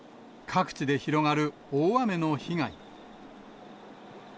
各地で広がる大雨の被害。